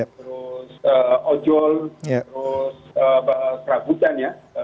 terus ojol terus serabutan ya